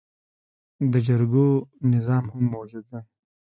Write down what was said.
د جرګو نظام هم موجود دی